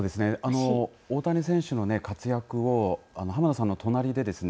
大谷選手のね、活躍を濱田さんの隣でですね